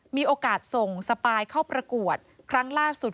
มีโอกาสส่งสปายเข้าประกวดครั้งล่าสุด